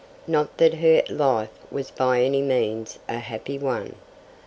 Not that her life was by any means a happy one.